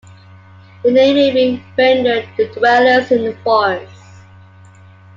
Their name may be rendered "the dwellers in the forest".